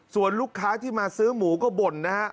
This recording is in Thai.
ส่วนลูกค้าที่มาซื้อหมูก็บ่นนะฮะ